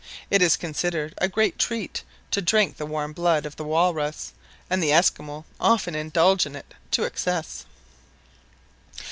It is considered a great treat to drink the warm blood of the walrus, and the Esquimaux often indulge in it to excess.